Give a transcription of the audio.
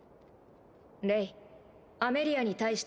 レイアメリアに対して